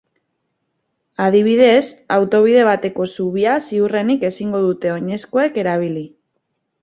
Adibidez, autobide bateko zubia ziurrenik ezingo dute oinezkoek erabili.